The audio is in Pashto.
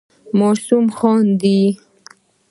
ماشوم خاندي.